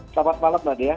selamat malam mbak diya